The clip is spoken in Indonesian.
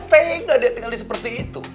tengah dia tinggal di seperti itu